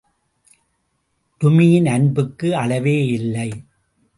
டுமியின் அன்புக்கு அளவேயில்லை.